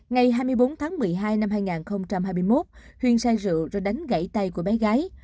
ngày hai mươi bốn tháng một mươi hai năm hai nghìn hai mươi một huyền sai rượu rồi đánh gãy tay của bé gái